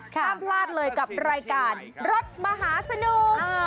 ห้ามพลาดเลยกับรายการรถมหาสนุก